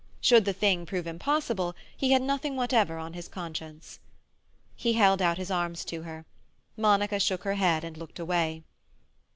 Should the thing prove impossible, he had nothing whatever on his conscience. He held out his arms to her. Monica shook her head and looked away.